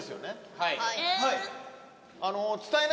はい。